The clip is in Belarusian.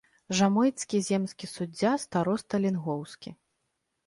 Жамойцкі земскі суддзя, староста лінгоўскі.